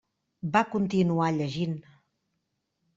Va continuar llegint.